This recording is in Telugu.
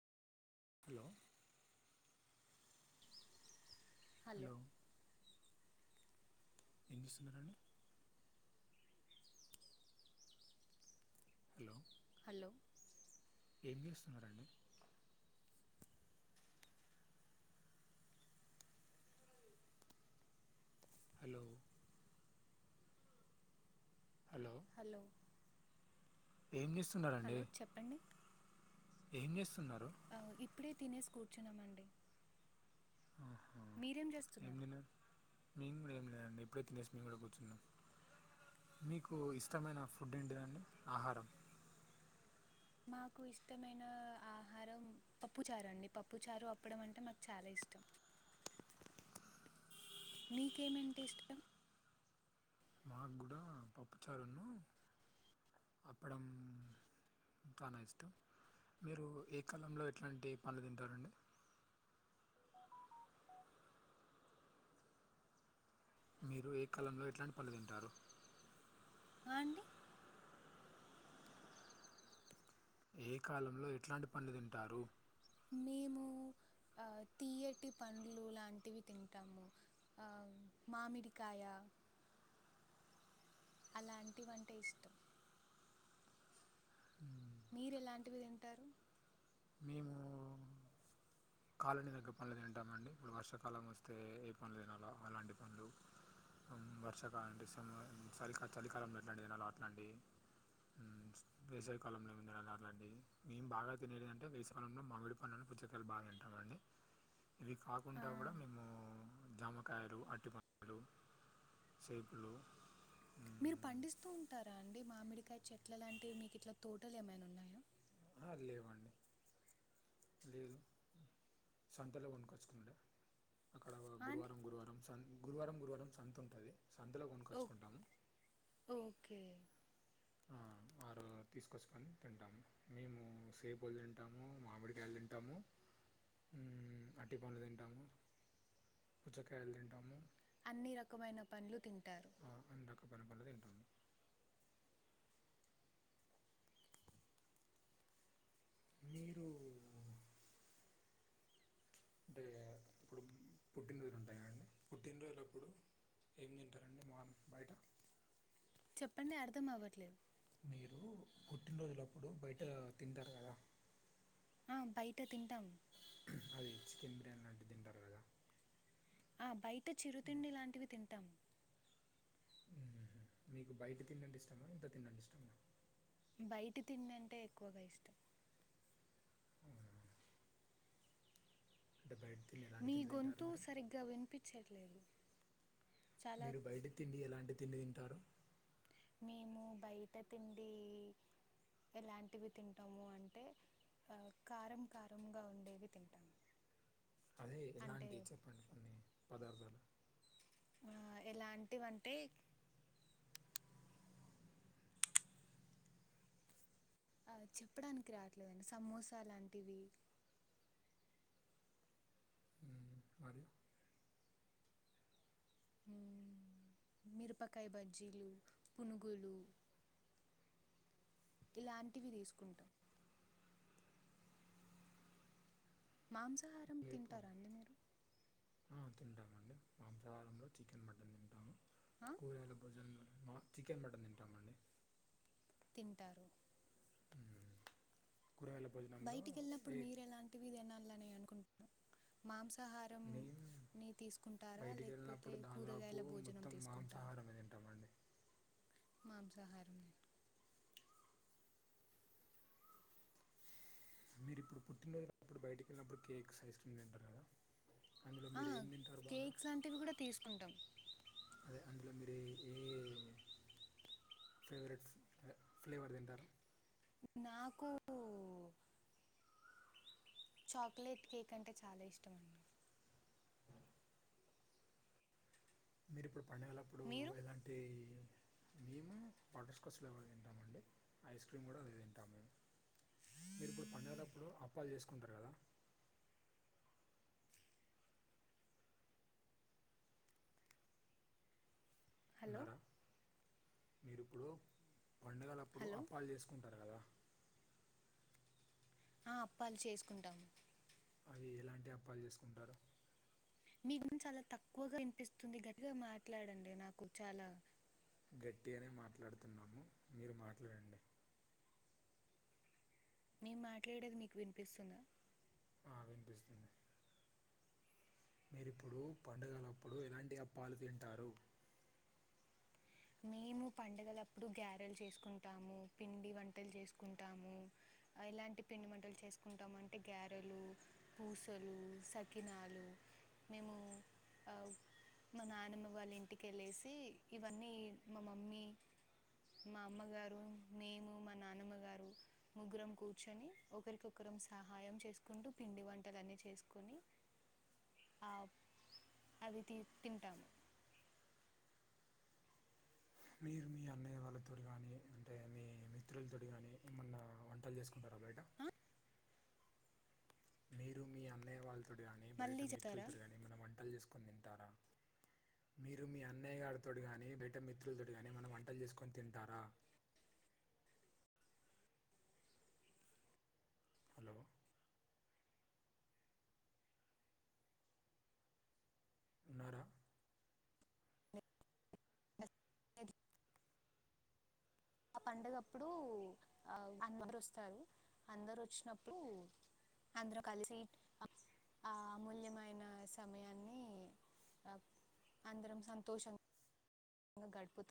హలో హలో ఏం చేస్తున్నారు అండి హలో హలో ఏం చేస్తున్నారు అండి హలో హలో ఏం చేస్తున్నారు అండి హలో చెప్పండి ఏం చేస్తున్నారు ఆ, ఇప్పుడే తినేసి కూర్చున్నామండి మీరేం ఏం చేస్తున్నారు తిన్నారు ఏం లే నేను ఇప్పుడే తినేసి మేము కూడా కూర్చున్నాను మీకు ఇష్టమైన ఫుడ్ ఏంటిదండి ఆహారం మాకు ఇష్టమైన ఆహారం పప్పు చారు అండి పప్పు చారు అప్పడం అంటే మాకు చాలా ఇష్ట మీకేమంటే ఇష్టం నాకు కూడా పప్పు చారును అప్పడం చానా ఇష్టం మీరు ఏ కాలంలో ఎట్లాంటి పండ్లు తింటారండి మీరు ఏ కాలంలో ఎట్లాంటి పండ్లు తింటారు ఆ అండి ఏ కాలంలో ఎట్లాంటి పండ్లు తింటారు మేము ఆ తియ్యటి పండ్లు లాంటివి తింటాము ఆ మామిడికాయ అలాంటివంటే ఇష్టం మ్మ్. మీరు ఎలాంటివి తింటారు మేము కాలనీకి దగ్గ పండ్లు తింటామండి ఇప్పుడు వర్షాకాలం వస్తే ఏ పండ్లు తినలో అలాంటి పండ్లు ఉ వర్షాకాలం అంటే ఇసము చలిక చలికాలంలో ఎట్లాంటివి తినాలో అట్లాంటివి ఉ వేసావి కాలంలో ఏమి తినాలో అట్లాంటివి మేము బాగా తినేది అంటే వేసాకాలంలో మామిడి పండ్లను పుచ్చ కాయలు బాగా తింటామండి ఇవి ఆ, కాకుండా కూడా మేము జామకాయలు, అరిటి పండ్లు, సేపులు మీరు పండిస్తూ ఉంటారా అండి మామిడికాయ చెట్ల లాంటివి మీకు ఇట్లా తోటలు ఏమైనా ఉన్నాయా లేవండి లేదు సంతలో కొనుకొచ్చుకుంటాం అక్కడ ఆ అండి గురువారం గురువారం సన్ గురువారం గురువారం సంత ఉంటది సంతలో ఓకే కొనుక్కొచ్చుకుంటాము ఓకే ఆ తీసుకొచ్చుకని తింటాము మేము సేపులు తింటాము మామిడి కాయలు తింటాము అరటి పండ్లు తింటాము పుచ్చకాయలు తింటాము అన్ని రకమైన పండ్లు తింటారు ఆ, అన్ని రకమైన పండ్లు తింటాము మీరు అంటే ఇప్పుడు పుట్టినరోజులు ఉంటాయి కండి పుట్టినరోజులప్పుడు ఏం తింటారండి మాము బయట చెప్పండి అర్థం అవ్వట్లేదు మీరు పుట్టినరోజులప్పుడు బయట తింటారు కదా ఆ బయట తింటాం అది చికెన్ బిర్యానీ లాంటివి తింటారు కదా ఆ బయట చిరుతిండి లాంటివి తింటాం ఉహు మీకు బయట తిండి అంటే ఇష్టమా ఇంట్లో తిండి అంటే ఇష్టమా బయట తిండి అంటే ఎక్కువగా ఇష్టం అవునా అంటే బైట మీ గొంతు సరిగ్గా వినిపించట్లేదు చాలా మీరు బయట తిండి ఎలాంటి తిండి తింటారు మేము బయట తిండి ఎలాంటివి తింటాము అంటే ఆ కారం కారంగా ఉండేవి తింటాము అదే అంటే ఎలాంటి చెప్పండి కొన్ని పదార్థాలు ఆ ఎలాంటివి అంటే ఆ చెప్పడానికి రావట్లేదండి సమోసా లాంటివి మ్మ్. మరియు మిరపకాయ బజ్జీలు పునుగులు ఇలాంటివి తీసుకుంటాం మాంసాహారం మీరు ఇప్పుడు తింటారా అండి మీరు ఆ తింటామండి మాంసాహారంలో చికెన్ మటన్ తింటాము ఆ? కూరగాయల భోజన మా చికెన్ మటన్ తింటామండి తింటారు మ్మ్. కూరగాయల భోజనంలో బయటికి వెళ్ళినప్పుడు ఏ మీరేలాంటివి తినాలని అనుకుంటరు మాంసం నేను బయటికి లేకపోతే వెళ్ళినప్పుడు దాదాపు కూరగాయల భోజనం మొత్తం మాంసాహారమే తింటామండి మాంసహారం తీన్ మీరు ఇప్పుడు పుట్టినరోజు అప్పుడు బయటికి వెళ్ళినప్పుడు కేక్స్ ఐస్ క్రీమ్ తింటారు కదా అందులో ఆ, మీరు ఏం తింటారు బాగా కేక్స్ లాంటివి కూడా తీసుకుంటాం అదే అందులో మీరు అది ఏ ఫేవరెట్ ఫ్లేవర్ తింటారు నాకు చాక్లెట్ కేక్ అంటే చాలా ఇష్టం అండి మీరు ఇప్పుడు పండుగళ్లప్పుడు మీరు ఎలాంటి మేము బటర్స్కాచ్ ఫ్లేవర్ తింటామండి ఐస్ క్రీమ్ కూడా అదే తింటాము మేము మీరు ఇప్పుడు పండగలప్పుడు అప్పాలు చేసుకుంటారు కదా హలో మీరిప్పుడు హలో పండుగలప్పుడుఅప్పాలు చేసుకుంటారు కదా ఆ అప్పాలు చేసుకుంటాము అవి ఎలాంటి అప్పాలు చేసుకుంటారు మీ గొంతు చాలా తక్కువగా వినిపిస్తుంది గట్టిగా మాట్లాడండి నాకు చాలా గట్టిగానే మాట్లాడుతున్నాము మీరు మాట్లాడండి మేము మాట్లాడేది మీకు వినిపిస్తుందా ఆ వినిపిస్తుంది మీరిప్పుడు పండుగలప్పుడు ఎలాంటి అప్పాలు తింటారు మేము పండగలప్పుడు గ్యారెలు చేసుకుంటాము పిండి వంటలు చేసుకుంటాము ఎలాంటి పిండి మంటలు చేసుకుంటామంటే గారెలు పూసలు సాక్కినాలు మేము ఆ మా నానమ్మ వాళ్ళ ఇంటికి ఎళ్ళేసి ఇవన్నీ మా మమ్మీ మా అమ్మగారు మేము మా నానమ్మ గారు ముగ్గురం కూర్చొని ఒకరికొకరు సహాయం చేసుకుంటూ పిండి వంటలన్ని చేసుకోని ఆ అవి తి తింటాము మీరు మీ అన్నయ్య వాళ్ళతోటి గానీ అంటే మీ మిత్రులతోటి గానీ ఏమన్నా వంటలు చేసు మీరు మీ అన్నయ్య వాళ్ళతోటి గానీ బయట మళ్ళీ చెప్తారా మిత్రులతోటి గాని ఏమన్నా వంటలు చేసుకొని తింటారా మీరు మీ అన్నయ్య గారితోటి గానీ బయట మిత్రులతోటి గానీ ఏమన్నా వంటలు చేసుకొని తింటారా హలో ఉన్నారా ఆ పండగప్పుడు ఆ అందరు వస్తారు అందరు వచ్చినప్పుడు అందరూ కలిసి ఆ అమూల్యమైన సమయాన్ని ఆ అందరం సంతోషం [inaudible] గడుపుతా